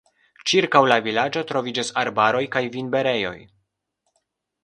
Ĉirkaŭ la vilaĝo troviĝas arbaroj kaj vinberejoj.